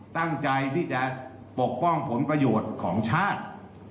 ตั้งใจที่จะปกป้องผลประโยชน์ของชาติ